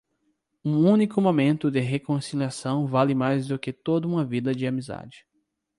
Um único momento de reconciliação vale mais do que toda uma vida de amizade.